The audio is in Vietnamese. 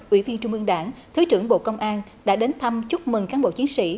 ủy viên trung ương đảng thứ trưởng bộ công an đã đến thăm chúc mừng cán bộ chiến sĩ